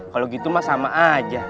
kalau gitu mah sama aja